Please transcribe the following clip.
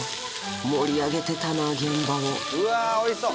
盛り上げてたな現場をうわおいしそう！